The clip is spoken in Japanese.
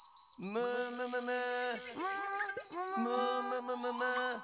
ムームムムムー。